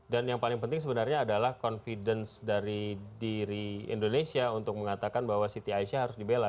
dan yang paling penting sebenarnya adalah confidence dari diri indonesia untuk mengatakan bahwa siti aisyah harus dibela